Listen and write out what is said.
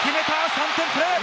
３点プレー！